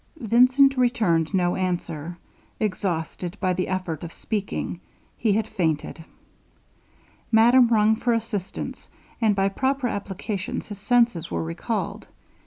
Vincent returned no answer; exhausted by the effort of speaking, he had fainted. Madame rung for assistance, and by proper applications, his senses were recalled.